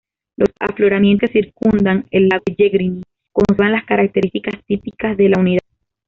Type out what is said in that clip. Los afloramientos que circundan al lago Pellegrini conservan las características típicas de la unidad.